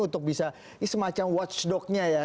untuk bisa semacam watchdognya ya